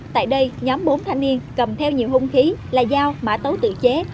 tại đây nhóm bốn thanh niên cầm theo nhiều hung khí là dao mã tấu tự chế